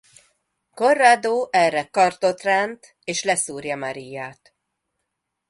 Corrado erre kardot ránt és leszúrja Mariát.